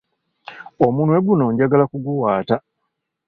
Omunwe guno njagala kuguwaata.